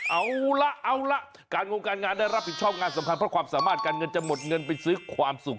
เอาละเอาละการงงการงานได้รับผิดชอบงานสำคัญเพราะความสามารถการเงินจะหมดเงินไปซื้อความสุข